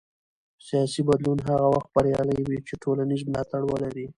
سیاسي بدلون هغه وخت بریالی وي چې ټولنیز ملاتړ ولري